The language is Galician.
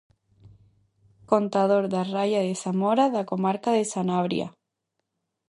Contador da raia de Zamora, da comarca de Sanabria.